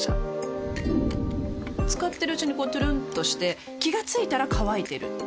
使ってるうちにこうトゥルンとして気が付いたら乾いてる